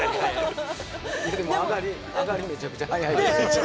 でもあがりめちゃくちゃ速いですよ。